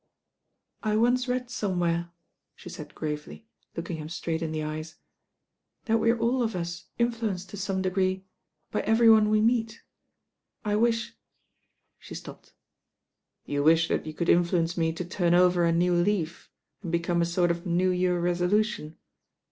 "I once read somewhere," she said gravely, look ing him straight in the eyes, "that we are all of us influenced to some degree by every one we meet. I wish " she stopped. "You wish that you could influence me to turn over a new leaf and become a sort of New Year resolution."